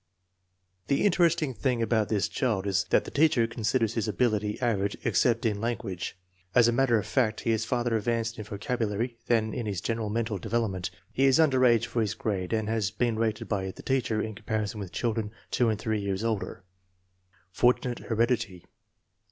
The interesting thing about this child is that the teacher considers his ability " average, except in lan guage." As a matter of fact, he is farther advanced in vocabulary than in his general mental development. He is under age for his grade, and has been rated by the teacher in comparison with children two and three years older. Fortunate heredity.